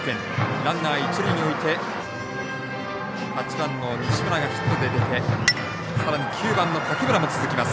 ランナー、一塁に置いて８番の西村がヒットで出てさらに９番の竹村も続きます。